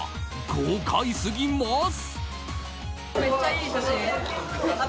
豪快すぎます！